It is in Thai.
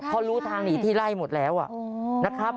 เพราะรู้ทางหนีที่ไล่หมดแล้วนะครับ